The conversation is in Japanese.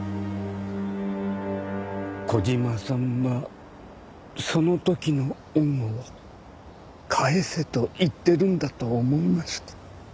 小島さんはその時の恩を返せと言ってるんだと思いました。